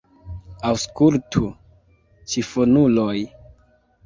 Aŭskultu, ĉifonuloj!